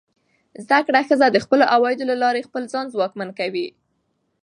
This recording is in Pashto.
زده کړه ښځه د خپلو عوایدو له لارې خپل ځان ځواکمن کوي.